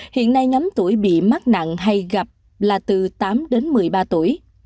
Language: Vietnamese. hiện nay nhóm tuổi bị mắc nặng hay gặp là từ tám đến một mươi ba tuổi